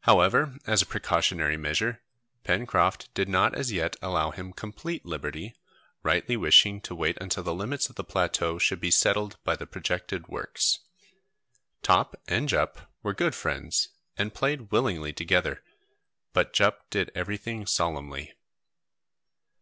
However, as a precautionary measure, Pencroft did not as yet allow him complete liberty, rightly wishing to wait until the limits of the plateau should be settled by the projected works. Top and Jup were good friends and played willingly together, but Jup did everything solemnly.